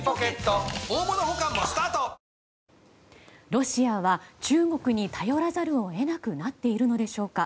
ロシアは中国に頼らざるを得なくなっているのでしょうか。